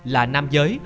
là nam giới